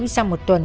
sau một tuần